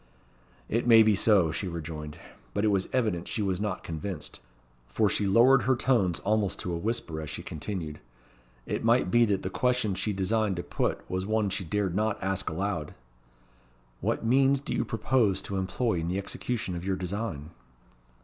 "It may be so," she rejoined. But it was evident she was not convinced, for she lowered her tones almost to a whisper as she continued. It might be that the question she designed to put was one she dared not ask aloud. "What means do you purpose to employ in the execution of your design?"